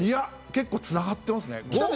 結構つながってますね。